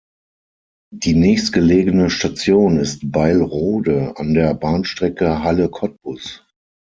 Die nächstgelegene Station ist "Beilrode" an der Bahnstrecke Halle–Cottbus.